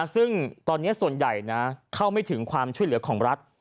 ซึ่งตอนนี้ส่วนใหญ่เข้าไม่ถึงความช่วยเหลือของรัฐ